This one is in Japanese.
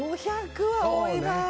５００は多いな。